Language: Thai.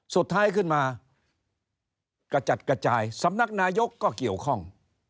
สุดท้ายขึ้นมากระจัดกระจายสำนักนายกก็เกี่ยวข้อง